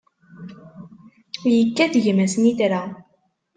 Yekkat gma snitra.